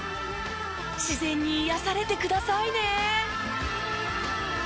自然に癒やされてくださいね。